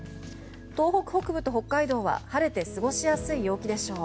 東北北部と北海道は晴れて過ごしやすい陽気でしょう。